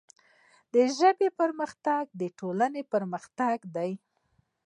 د ژبې پرمختګ د ټولنې پرمختګ دی.